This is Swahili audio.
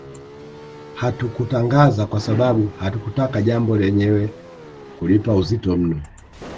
Hatukutangaza kwa sababu hatukutaka jambo lenyewe kulipa uzito mno